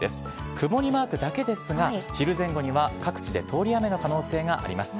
曇りマークだけですが、昼前後には各地で通り雨の可能性があります。